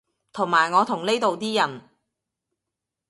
同埋我同呢度啲人